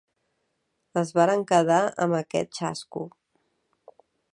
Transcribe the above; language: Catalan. Es varen quedar amb aquest xasco.